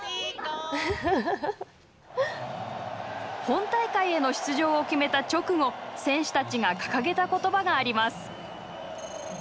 本大会への出場を決めた直後選手たちが掲げた言葉があります。